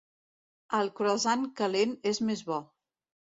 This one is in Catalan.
El croissant calent és més bo.